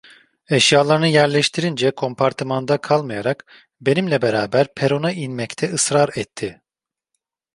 Eşyalarını yerleştirince kompartımanda kalmayarak benimle beraber perona inmekte ısrar etti.